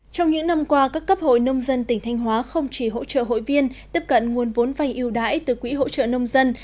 trong những năm qua các cấp hội nông dân tỉnh thanh hóa không chỉ hỗ trợ hội viên tiếp cận nguồn vốn vay yêu đái từ quỹ hỗ trợ nông dân